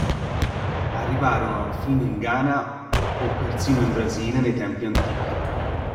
Arrivarono fino in Ghana o persino in Brasile nei tempi antichi.